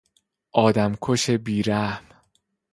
آدم کش بیرحم